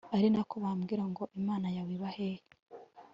ari na ko bambwira ngo imana yawe iba hehe